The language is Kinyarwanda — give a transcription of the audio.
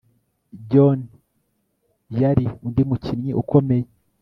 John yari undi mukinnyi ukomeye